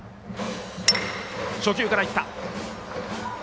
初球からいった。